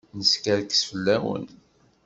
Neskerkes fell-awen.